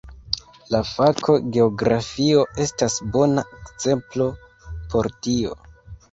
La fako geografio estas bona ekzemplo por tio.